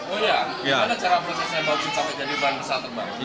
oh iya bagaimana cara prosesnya bauksit sampai jadi bahan pesawat terbang